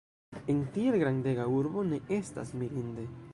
En tiel grandega urbo ne estas mirinde.